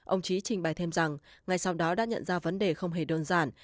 ông trí trình bày thêm rằng ngay sau đó đã nhận ra vấn đề không hề đơn giản